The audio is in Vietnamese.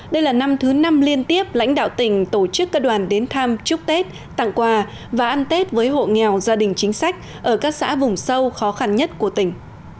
đây là năm thứ năm liên tiếp lãnh đạo tỉnh tổ chức các đoàn đến thăm chúc tết tặng quà và ăn tết với hộ nghèo gia đình chính sách ở các xã vùng sâu khó khăn nhất của tỉnh